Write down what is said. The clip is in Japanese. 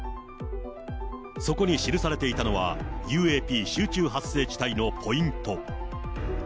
そこに記されていたのは、ＵＡＰ集中発生地帯のポイント。